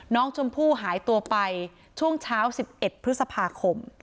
น้องชมพู่หายตัวไปช่วงเช้า๑๑พฤษภาคม